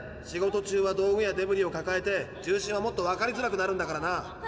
仕事中は道具やデブリをかかえて重心はもっとわかりづらくなるんだからな。